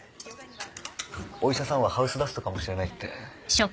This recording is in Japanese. お医者さんはハウスダストかもしれないって。